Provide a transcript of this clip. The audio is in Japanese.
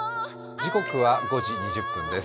時刻は５時２０分です。